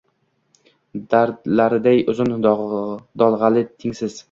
dardlariday uzun dolg’ali tengsiz